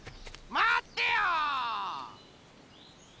まってよ！